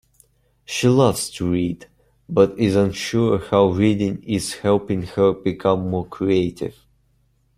She loves to read, but is unsure how reading is helping her become more creative.